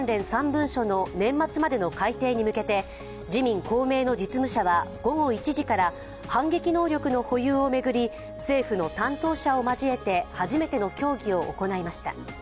３文書の年末までの改定に向けて、自民・公明の実務者は午後１時から反撃能力の保有を巡り政府の担当者を交えて初めての協議を行いました。